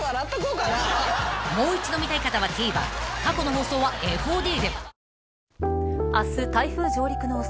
［もう一度見たい方はＴＶｅｒ過去の放送はＦＯＤで］